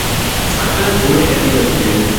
Zweimal wurde er wiedergewählt.